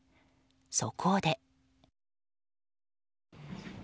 そこで。